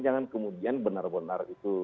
jangan kemudian benar benar itu